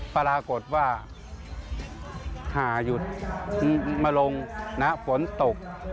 ปรากฏว่าหาหยุดมาลงนะฝนตก